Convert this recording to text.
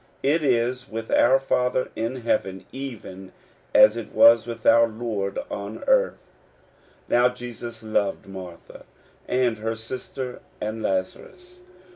It is with our Father in heaven even as it was with our Lord on earth : "Now Jesus loved Martha, and her sister, and Lazarus.